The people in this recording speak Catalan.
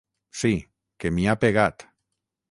Sí, que m'hi ha pegat.